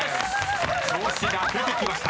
［調子が出てきました。